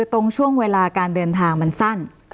ตรงช่วงเวลาการเดินทางมันสั้น